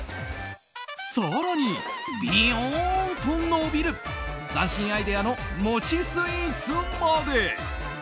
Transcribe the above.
更に、びよーんと伸びる斬新アイデアの餅スイーツまで。